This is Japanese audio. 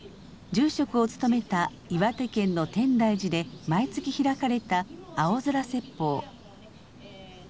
住職をつとめた岩手県の天台寺で毎月開かれた青空説法。